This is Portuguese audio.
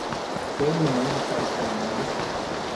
Todo mundo está espalhado